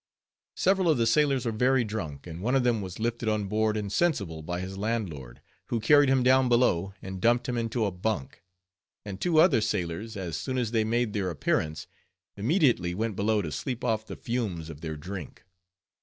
Several of the sailors were very drunk, and one of them was lifted on board insensible by his landlord, who carried him down below and dumped him into a bunk. And two other sailors, as soon as they made their appearance, immediately went below to sleep off the fumes of their drink.